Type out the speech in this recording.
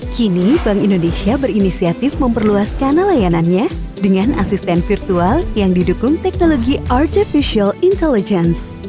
kini bank indonesia berinisiatif memperluas kanal layanannya dengan asisten virtual yang didukung teknologi artificial intelligence